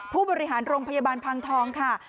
ผู้บริหารโรงพยาบาลพังทองค่ะ